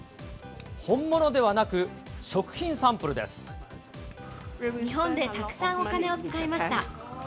本物ではなく、日本でたくさんお金を使いました。